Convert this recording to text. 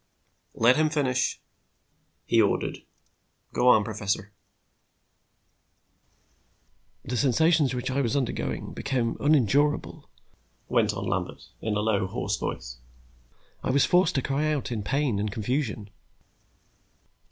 "Let him finish," he ordered. "Go on, professor." "The sensations which I was undergoing became unendurable," went on Lambert, in a low, hoarse voice. "I was forced to cry out in pain and confusion.